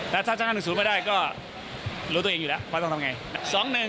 และถ้าชนะ๑๐ไม่ได้ก็รู้ตัวเองอยู่แล้วความต้องทำอย่างไร